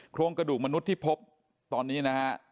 โครงกระดูกมนุษย์ที่พบตอนนี้นะฮะ